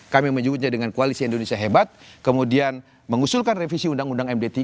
kami menyebutnya dengan koalisi indonesia hebat kemudian mengusulkan revisi undang undang md tiga